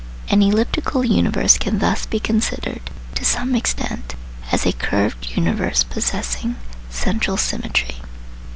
An elliptical universe can thus be considered to some extent as a curved universe possessing central symmetry.